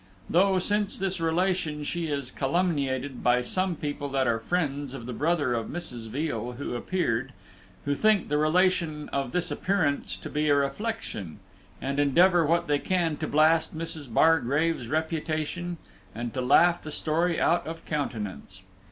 Though, since this relation, she is calumniated by some people that are friends to the brother of Mrs. Veal who appeared, who think the relation of this appearance to be a reflection, and endeavor what they can to blast Mrs. Bargrave's reputation and to laugh the story out of countenance.